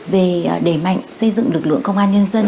về đẩy mạnh xây dựng lực lượng công an nhân dân